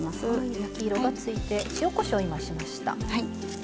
焼き色がついて塩・こしょう今しました。